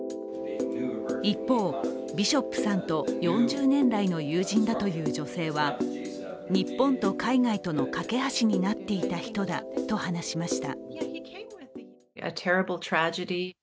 一方、ビショップさんと４０年来の友人だという女性は日本と海外との懸け橋になっていた人だと話しました。